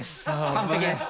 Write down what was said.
完璧です。